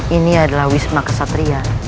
ini adalah wisma kesatria